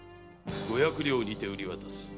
五百両にて売り渡す」